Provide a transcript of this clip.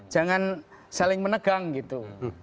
jangan saling menegang gitu